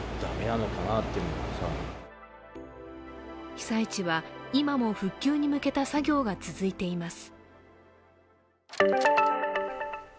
被災地は今も復旧に向けた作業が続いています。